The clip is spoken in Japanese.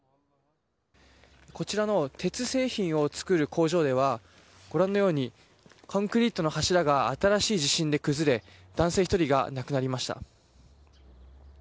こちらの鉄製品を作る工場ではご覧のようにコンクリートの柱が新しい地震で崩れ男性１人が亡くなりました。